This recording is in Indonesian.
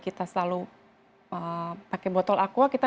kalau proclaim berbahagia